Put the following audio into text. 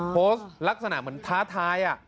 โพสต์ลักษณะเหมือนท้าทาย